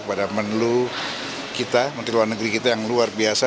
kepada menlu kita menteri luar negeri kita yang luar biasa